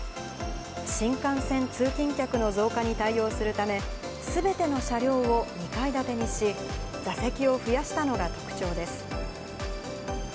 新幹線通勤客の増加に対応するため、すべての車両を２階建てにし、座席を増やしたのが特徴です。